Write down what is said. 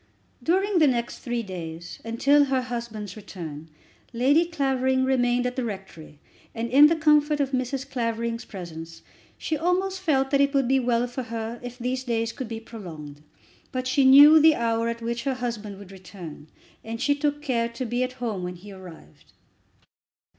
During the next three days, and till her husband's return, Lady Clavering remained at the rectory, and in the comfort of Mrs. Clavering's presence she almost felt that it would be well for her if those days could be prolonged. But she knew the hour at which her husband would return, and she took care to be at home when he arrived.